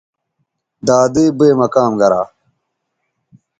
دادئ بئ مہ کام گرا